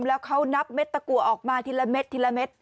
แล้วเขานับเม็ดตะกัวออกมาทีละเม็ดทีละเม็ด